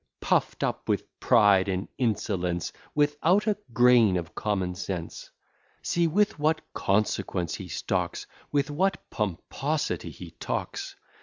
Puff'd up with pride and insolence, Without a grain of common sense. See with what consequence he stalks! With what pomposity he talks!